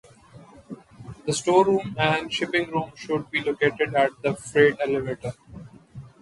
The storeroom and shipping room should be located at the freight elevator.